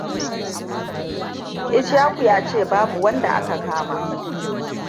Ishakua yace babu wanda aka kama.